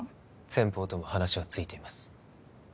先方とも話はついています